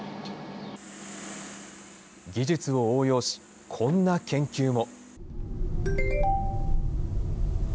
技術を応用し、こんな研究も。